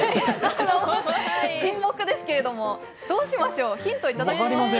沈黙ですけれども、どうしましょうヒントいただきますか？